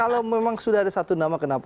kalau memang sudah ada satu nama kenapa